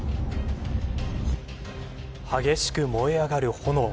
激しく燃え上がる炎。